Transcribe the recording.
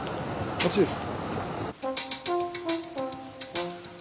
あっちです。